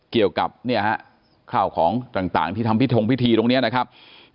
เกี่ยวกับข้าวของต่างที่ทำพิธงพิธีตรงนี้นะครับ